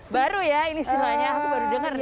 baru ya ini istilahnya aku baru dengar nih